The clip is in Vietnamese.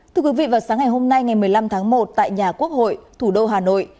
thưa quý vị vào sáng ngày hôm nay ngày một mươi năm tháng một tại nhà quốc hội thủ đô hà nội